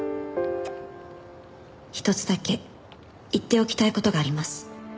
「一つだけ言っておきたいことがあります」